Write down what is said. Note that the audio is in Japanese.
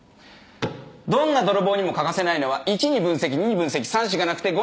どんな泥棒にも欠かせないのは１に分析２に分析３４がなくて５に分析。